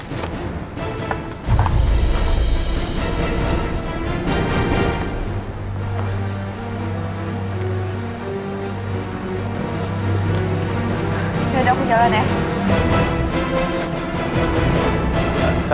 sudah aku jalan ya